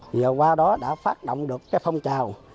nhờ qua đó đã phát động được cái phong trào